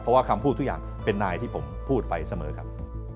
เพราะว่าคำพูดทุกอย่างเป็นนายที่ผมพูดไปเสมอครับ